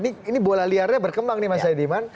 ini bola liarnya berkembang nih mas saidiman